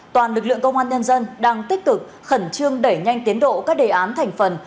toàn lực lượng công an nhân dân đang tích cực khẩn trương đẩy nhanh tiến độ các đề án thành phần